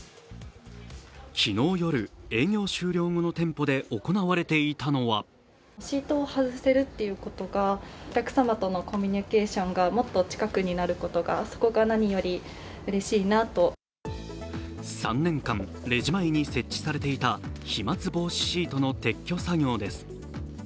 昨日夜、営業終了後の店舗で行われていたのは・３年間、レジ前に設置されていた飛まつ防止シートの撤去作業です。